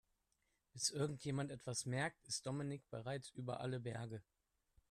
Bis irgendjemand etwas merkt, ist Dominik bereits über alle Berge.